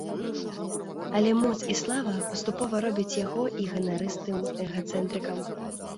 Але моц і слава паступова робяць яго і ганарыстым эгацэнтрыкам.